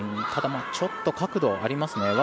ただ、ちょっと角度、ありますね。